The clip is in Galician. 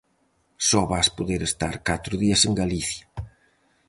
Só vas poder estar catro días en Galicia.